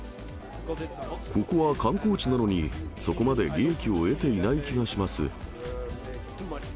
ここは観光地なのに、そこまで利益を得ていない気がします。